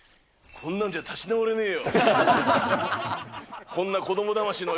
こんなんじゃ立ち直れねえよ。